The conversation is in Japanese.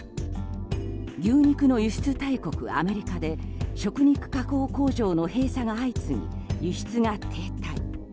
牛肉の輸出大国アメリカで食肉加工工場の閉鎖が相次ぎ輸出が停滞。